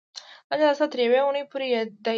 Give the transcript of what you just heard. دا جلسه تر یوې اونۍ پورې دایریږي.